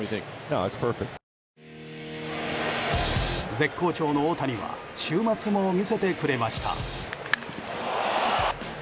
絶好調の大谷は週末も見せてくれました。